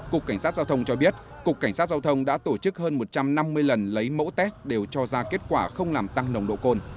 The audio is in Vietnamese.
cục cảnh sát giao thông cho biết cục cảnh sát giao thông đã tổ chức hơn một trăm năm mươi lần lấy mẫu test đều cho ra kết quả không làm tăng nồng độ cồn